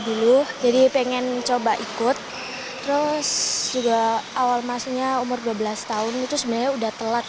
dulu jadi pengen coba ikut terus juga awal masuknya umur dua belas tahun itu sebenarnya udah telat